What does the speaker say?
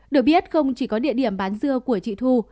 được biết không chỉ có địa điểm bán dưa của chị thu